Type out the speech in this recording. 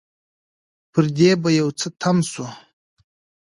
پر دې به يو څه تم شو.